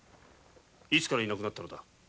いつからいなくなった？